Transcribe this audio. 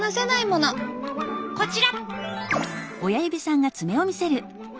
こちら！